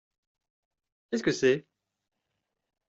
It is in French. Qu'est-ce que c'est ?